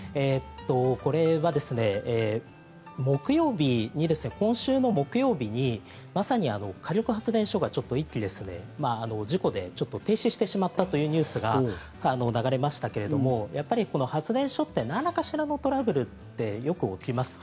これはですね、木曜日に今週の木曜日にまさに火力発電所が１基事故で停止してしまったというニュースが流れましたけれどもやっぱり発電所って何かしらのトラブルってよく起きます。